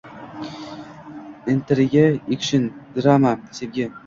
intriga, ekshn, drama, sevgi...